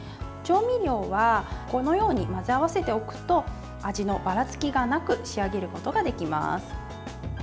調味料はこのように混ぜ合わせておくと味のばらつきがなく仕上げることができます。